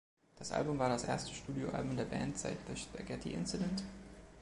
Das Album war das erste Studioalbum der Band seit The Spaghetti Incident?